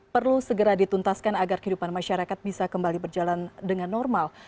perlu segera dituntaskan agar kehidupan masyarakat bisa kembali berjalan dengan normal